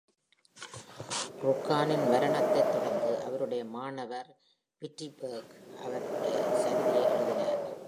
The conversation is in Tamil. Ruhnken-ன் மரணத்தைத் தொடர்ந்து, அவருடைய மாணவர் Wyttenbach அவருடய சரிதையை எழுதினார்.